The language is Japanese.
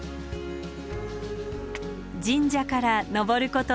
神社から登ること